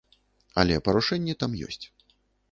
Але парушэнні там ёсць.